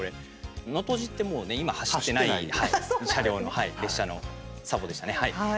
能登路ってもうね今、走ってない車両の列車のサボでしたね。